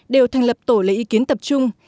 đều thành lập tổ lấy ý kiến tập trung